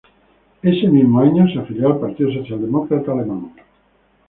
Ese mismo año se afilió al Partido Socialdemócrata de Alemania.